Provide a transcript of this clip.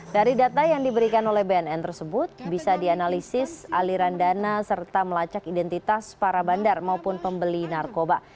dari data yang diberikan oleh bnn tersebut bisa dianalisis aliran dana serta melacak identitas para bandar maupun pembeli narkoba